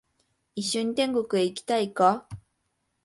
一緒に天国へ行きたいか？